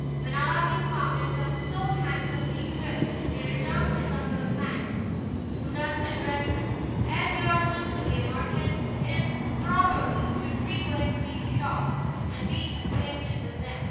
When Aladdin found himself so handsomely equipped, he returned his uncle thanks, who thus addressed him: "As you are soon to be a merchant, it is proper you should frequent these shops, and be acquainted with them."